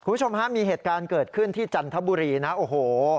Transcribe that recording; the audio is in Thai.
คุณผู้ชมฮะมีเหตุการณ์เกิดขึ้นที่จันทบุรีนะโอ้โห